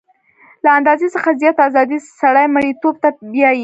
له اندازې څخه زیاته ازادي سړی مرییتوب ته بیايي.